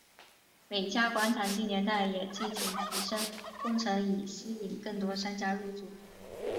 美嘉广场近年来也进行提升工程以吸引更多商家入住。